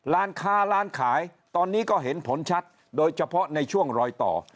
ร้านค้าร้านขายตอนนี้ก็เห็นผลชัดโดยเฉพาะในช่วงรอยต่อ